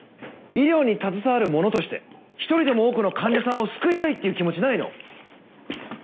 医療に携わる者として１人でも多くの患者さんを救いたいっていう気持ちないの？